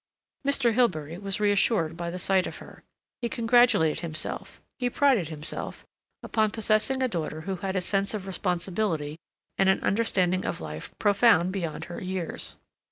Mr. Hilbery was reassured by the sight of her. He congratulated himself, he prided himself, upon possessing a daughter who had a sense of responsibility and an understanding of life profound beyond her years.